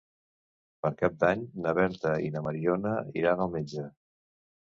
Per Cap d'Any na Berta i na Mariona iran al metge.